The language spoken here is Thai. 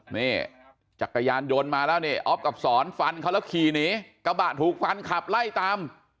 นี่จักรยานยนต์มาแล้วนี่อ๊อฟกับสอนฟันเขาแล้วขี่หนีกระบะถูกฟันขับไล่ตาม